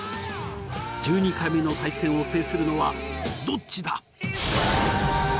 １２回目の対戦を制するのはどっちだ！？